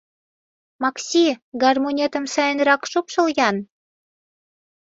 Макси, гармонетым сайынрак шупшыл-ян!